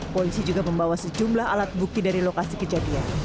polisi juga membawa sejumlah alat bukti dari lokasi kejadian